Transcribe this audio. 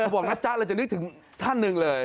บอกนะจ๊ะเราจะนึกถึงท่านหนึ่งเลย